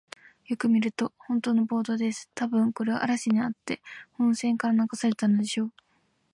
よく見ると、ほんとのボートです。たぶん、これは嵐にあって本船から流されたのでしょう。